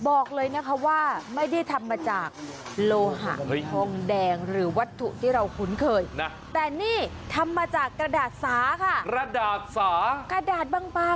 บอกเลยนะคะว่าไม่ได้ทำมาจากโลหะทองแดงหรือวัตถุที่เราคุ้นเคยนะแต่นี่ทำมาจากกระดาษสาค่ะกระดาษสากระดาษบางปลา